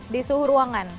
di suhu ruangan